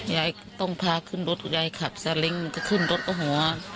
ยายต้องพาขึ้นรถยายขับสลิงก็ขึ้นรถโอ้โห